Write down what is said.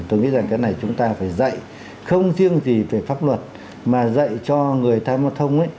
tôi nghĩ rằng cái này chúng ta phải dạy không riêng gì về pháp luật mà dạy cho người tham gia thông ấy